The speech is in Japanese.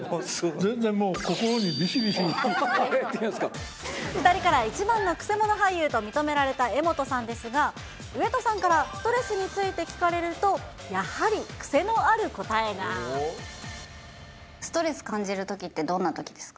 全然もう、心にびしび２人から一番のくせ者俳優と認められた柄本さんですが、上戸さんからストレスについて聞かれると、やはり、ストレス感じるときって、どんなときですか。